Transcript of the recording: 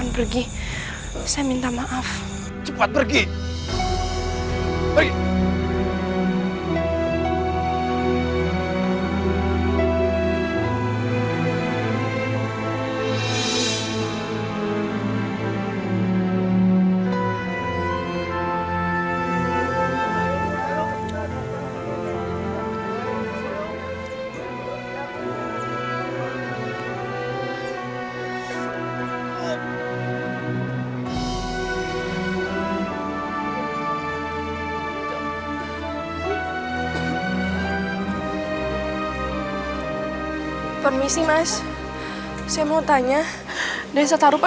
ternyata dia masih hidup